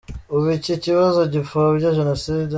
Ubu iki kibazo gipfobya jenoside ?